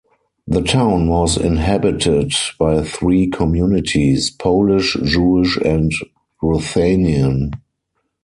The town was inhabited by three communities - Polish, Jewish and Ruthenian.